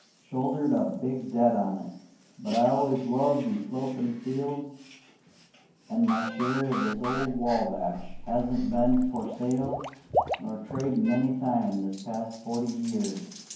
Shouldered a big debt on it; but I always loved these slopin' fields, an' my share of this old Wabash hasn't been for sale nor tradin' any time this past forty year.